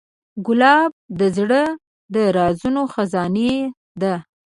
ګلاب د زړه د رازونو خزانې ده.